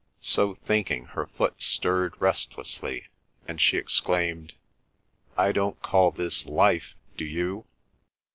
So thinking, her foot stirred restlessly, and she exclaimed: "I don't call this life, do you?"